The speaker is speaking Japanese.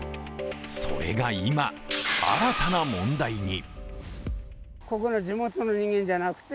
それが今、新たな問題に。